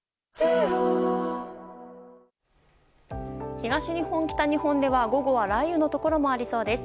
東日本、北日本では午後は雷雨のところもありそうです。